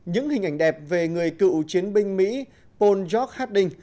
những hình ảnh đẹp về người cựu chiến binh mỹ pol george harding